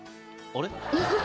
あれ？